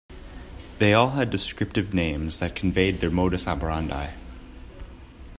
They all had descriptive names that conveyed their modus operandi.